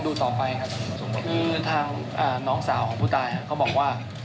คือทางน้องสาวของผู้ตายครับเค้าบอกว่า